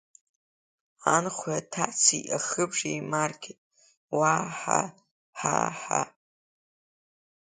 Анхәеи аҭацеи ахыбжа еимаркит, уаа-ҳа, ҳаа-ҳаа!